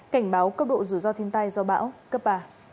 cảnh báo cấp độ rủi ro thiên tai do bão cấp ba